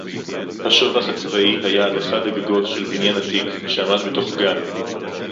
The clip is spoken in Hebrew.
הַשּׁוֹבָךְ הַצְּבָאִי הָיָה עַל אַחַד הַגַּגּוֹת שֶׁל בִּנְיָן עַתִּיק, שֶׁעָמַד בְּתוֹךְ גַּן